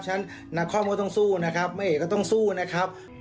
ฉะนั้นนักคอมก็ต้องสู้นะครับแม่เอกก็ต้องสู้นะครับ